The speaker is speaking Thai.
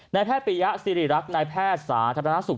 แพทย์ปียะสิริรักษ์นายแพทย์สาธารณสุข